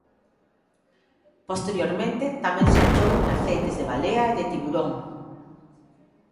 Posteriormente tamén se achou en aceites de balea e de tiburón.